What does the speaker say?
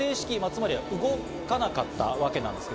つまりは動かなかったわけなんです。